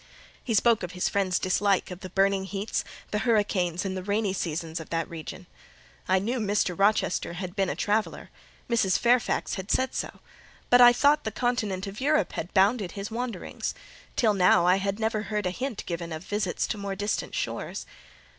He spoke of his friend's dislike of the burning heats, the hurricanes, and rainy seasons of that region. I knew Mr. Rochester had been a traveller: Mrs. Fairfax had said so; but I thought the continent of Europe had bounded his wanderings; till now I had never heard a hint given of visits to more distant shores.